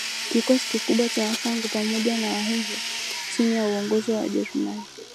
kikosi kikubwa cha Wasangu pamoja na Wahehe chini ya uongozi wa Wajerumani